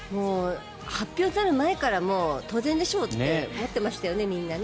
発表する前から当然でしょうって思ってましたもんね。